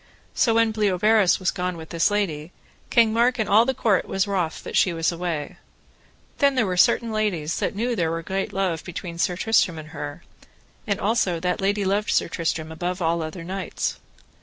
So when Bleoberis was gone with this lady, King Mark and all the court was wroth that she was away. Then were there certain ladies that knew that there were great love between Sir Tristram and her, and also that lady loved Sir Tristram above all other knights.